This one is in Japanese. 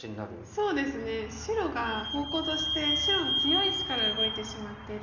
そうですね白が方向として白の強い石から動いてしまってるので。